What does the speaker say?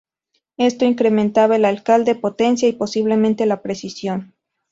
Esto incrementaba el alcance, potencia y posiblemente la precisión.